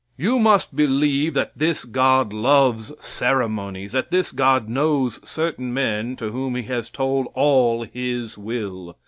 You must believe that this God loves ceremonies, that this God knows certain men to whom He has told all His will.